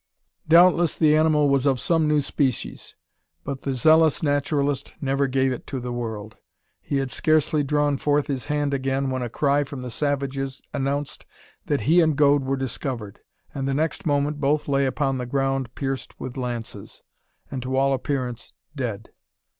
Doubtless the animal was of some new species, but the zealous naturalist never gave it to the world. He had scarcely drawn forth his hand again when a cry from the savages announced that he and Gode were discovered, and the next moment both lay upon the ground pierced with lances, and to all appearance dead!